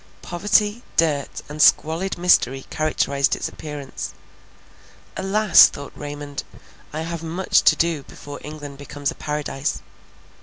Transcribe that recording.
Poverty, dirt, and squalid misery characterized its appearance. Alas! thought Raymond, I have much to do before England becomes a Paradise.